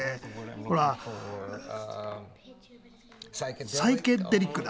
ほらサイケデリックだ。